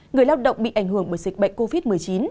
người lao động bị ảnh hưởng bởi dịch bệnh covid một mươi chín